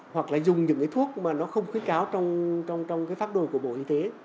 hoặc là dùng những thuốc mà nó không khuyết cáo trong pháp đồ của bộ y tế